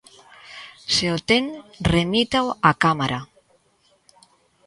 Se o ten, remítao á Cámara.